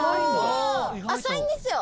浅いんですよ。